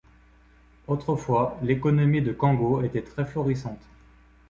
Autrefois l'économie de Kango était très florissante.